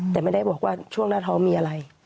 แต่ไม่ได้บอกว่าช่วงหน้าท้องมีอะไร